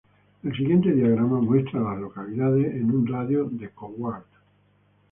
El siguiente diagrama muestra a las localidades en un radio de de Coward.